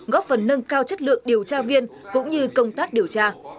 góp phần nâng cao chất lượng điều tra viên cũng như công tác điều tra